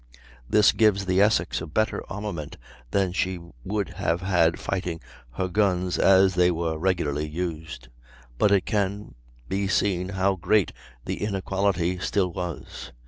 This gives the Essex a better armament than she would have had fighting her guns as they were regularly used; but it can be seen how great the inequality still was.